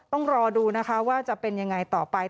ต้องรอดูนะคะว่าจะเป็นยังไงต่อไป